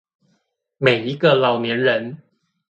每一個老年人